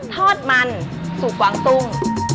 ทอดมันสุกวางตุ้ง